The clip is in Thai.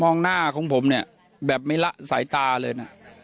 หน้าของผมเนี่ยแบบไม่ละสายตาเลยนะ